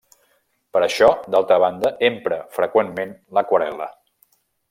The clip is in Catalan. Per a això, d'altra banda, empra freqüentment l'aquarel·la.